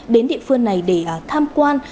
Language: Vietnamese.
đến địa phương này để tham quan